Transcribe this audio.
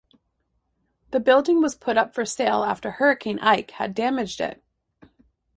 The building was put up for sale after Hurricane Ike had damaged it.